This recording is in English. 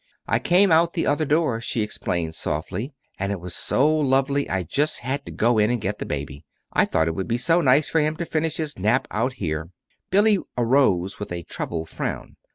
"I came out the other door," she explained softly. "And it was so lovely I just had to go in and get the baby. I thought it would be so nice for him to finish his nap out here." Billy arose with a troubled frown.